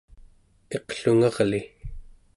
iqlungarli